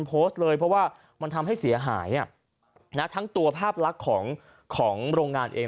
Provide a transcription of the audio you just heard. โพสต์เลยเพราะว่ามันทำให้เสียหายทั้งตัวภาพลักษณ์ของของโรงงานเอง